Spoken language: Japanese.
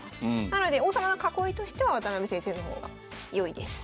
なので王様の囲いとしては渡辺先生の方が良いです。